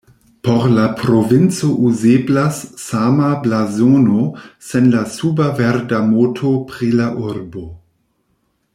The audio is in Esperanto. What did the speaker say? Por la provinco uzeblas sama blazono sen la suba verda moto pri la urbo.